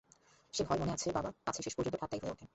সে ভয় মনে আছে বাবা, পাছে শেষ পর্যন্ত ঠাট্টাই হয়ে ওঠে।